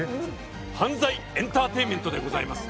犯罪エンターテインメントでございます